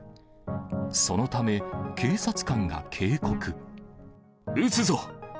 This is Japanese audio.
そのため、撃つぞ。